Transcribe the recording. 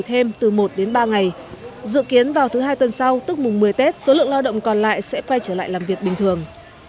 thêm từ một đến ba ngày dự kiến vào thứ hai tuần sau tức mùng một mươi tết số lượng lao động còn lại sẽ quay trở lại làm việc bình thường